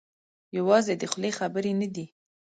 یوازې د خولې خبرې نه دي.